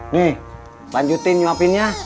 nih lanjutin nyuapinnya